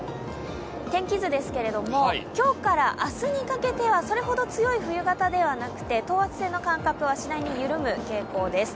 天気図ですけれども、今日から明日にかけてはそれほど強い冬型ではなくて等圧線の間隔はしだいに緩む傾向です。